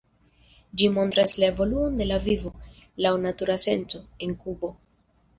Ĝi montras la evoluon de la vivo, laŭ natura senco, en Kubo.